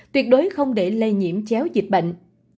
tuyệt đối không để lây nhiễm chéo dịch bệnh